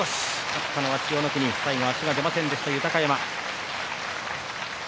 勝ったのは千代の国最後は足が出ませんでした豊山。